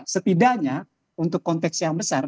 setidaknya untuk konteks yang besar